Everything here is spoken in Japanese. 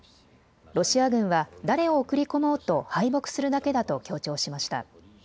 ロシア軍は誰を送り込もうと敗北するだけだと強調しました。